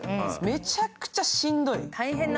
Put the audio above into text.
めちゃくちゃしんどい。